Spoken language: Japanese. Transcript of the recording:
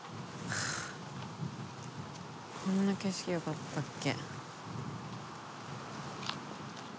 こんな景色よかったっけ？